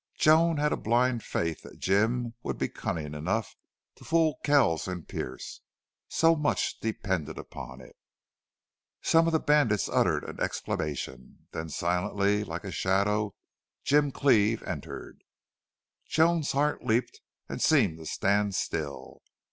Joan had a blind faith that Jim would be cunning enough to fool Kells and Pearce. So much depended upon it! Some of the bandits uttered an exclamation. Then silently, like a shadow, Jim Cleve entered. Joan's heart leaped and seemed to stand still.